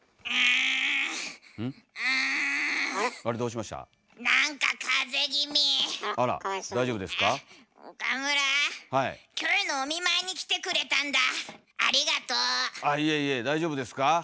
あっいえいえ大丈夫ですか？